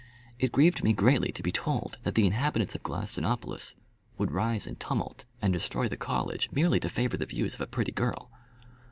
It grieved me greatly to be told that the inhabitants of Gladstonopolis would rise in tumult and destroy the college merely to favour the views of a pretty girl.